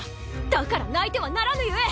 だから泣いてはならぬゆえ！